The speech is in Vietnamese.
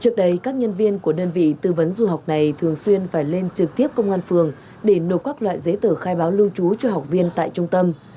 trước đây các nhân viên của đơn vị tư vấn du học này thường xuyên phải lên trực tiếp công an phường để nộp các loại giấy tờ khai báo lưu trú cho học viên tại trung tâm